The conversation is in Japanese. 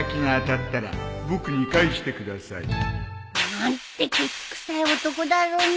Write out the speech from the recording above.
何てケチくさい男だろうね！